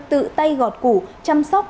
tự tay gọt củ chăm sóc